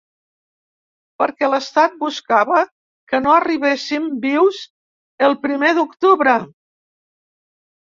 Perquè l’estat buscava que no arribéssim vius al primer d’octubre.